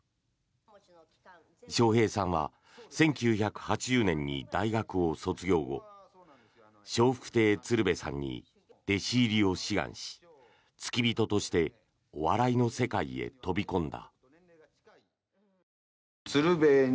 笑瓶さんは１９８０年に大学を卒業後笑福亭鶴瓶さんに弟子入りを志願し付き人としてお笑いの世界へ飛び込んだ。